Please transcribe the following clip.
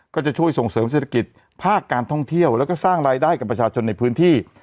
ก็จะช่วยส่งเสริมเศรษฐกิจภาคการท่องเที่ยวแล้วก็สร้างรายได้กับประชาชนในพื้นที่